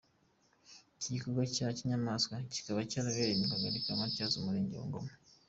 Iki gikorwa cya kinyamaswa kikaba cyarabereye mu kagari ka Matyazo Umurenge wa Ngoma.